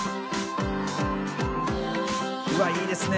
うわっいいですね。